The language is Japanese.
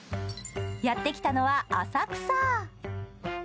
やってきたのは浅草。